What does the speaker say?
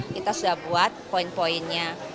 kita sudah buat poin poinnya